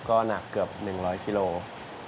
ก็หนักเกือบ๑๐๐กิโลกรัม